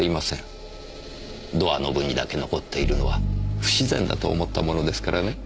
ドアノブにだけ残っているのは不自然だと思ったものですからね。